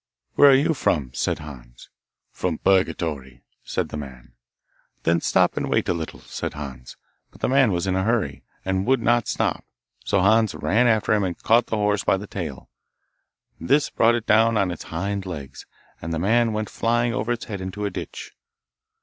'Where are you from?' said Hans. 'From Purgatory,' said the man. 'Then stop and wait a little,' said Hans; but the man was in a hurry, and would not stop, so Hans ran after him and caught the horse by the tail. This brought it down on its hind legs, and the man went flying over its head into a ditch.